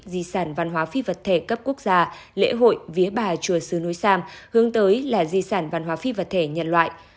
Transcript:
di sản văn hóa phi vật thể cấp quốc gia lễ hội vía bà chùa sứ núi sam hướng tới là di sản văn hóa phi vật thể nhân loại